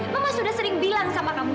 bapak sudah sering bilang sama kamu